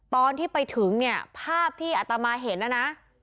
ตอนที่ไปถึงเนี่ยภาพที่อัตมาเห็นนะนะ